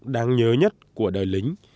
đáng nhớ nhất của đời lính